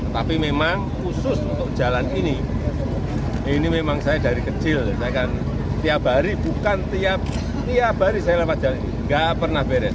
tapi memang khusus untuk jalan ini ini memang saya dari kecil saya kan tiap hari bukan tiap hari saya lewat jalan ini gak pernah beres